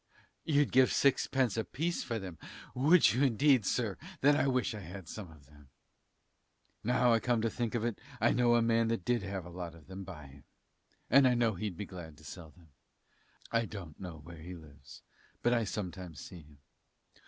You'd give sixpence a piece for them, would you, indeed, sir; then I wish I had some of them. Now I come to think of it I know a man that did have a lot of them bye him, and I know he'd be glad to sell them. I don't know where he lives, but I sometimes see him.